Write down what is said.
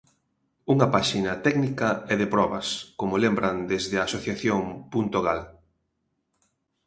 Unha páxina técnica e de probas, como lembran desde a asociación Puntogal.